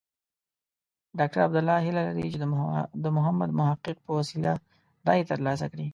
ډاکټر عبدالله هیله لري چې د محمد محقق په وسیله رایې ترلاسه کړي.